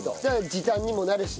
時短にもなるし。